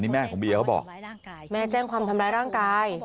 แม่ของเบียร์เขาบอกแม่แจ้งความทำร้ายร่างกาย